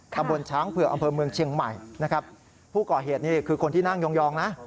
ตำบลช้างเผือกอำเภอเมืองเชียงใหม่นะครับผู้ก่อเหตุนี่คือคนที่นั่งยองนะ